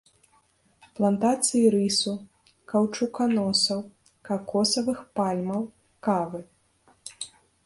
Плантацыі рысу, каўчуканосаў, какосавых пальмаў, кавы.